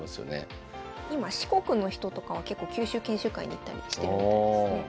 今四国の人とかは結構九州研修会に行ったりしてるみたいですね。